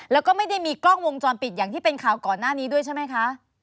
แล้วก็ไม่ได้มีกล้องวงจรปิดอย่างที่เป็นข่าวก่อนหน้านี้ด้วยใช่ไหมคะ